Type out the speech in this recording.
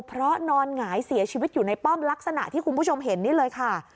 เพราะนอนหงายเสียชีวิตอยู่ในป้อมลักษณะที่คุณผู้ชมเห็นนี่เลยค่ะ